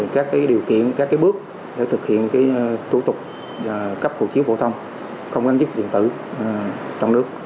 các điều kiện các bước để thực hiện thủ tục cấp hộ chiếu phổ thông không ánh chức điện tử trong nước